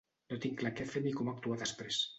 No tinc clar què fer ni com actuar després.